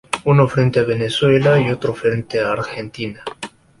Uno frente a Venezuela y otro frente a Argentina.